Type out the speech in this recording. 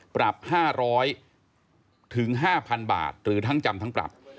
ปรับ๕๐๐ถึง๕๐๐๐บาทหรือทั้งจำทั้งปรับ